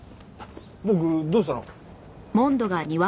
ボクどうしたの？